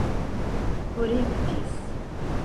korektis